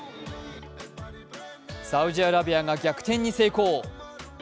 サウジアラビアが逆転に成功。